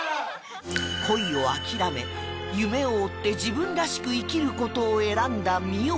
恋を諦め夢を追って自分らしく生きる事を選んだ澪